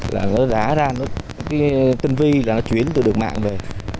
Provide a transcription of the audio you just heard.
là nó đã ra cái tinh vi là nó chuyển từ đường mạng về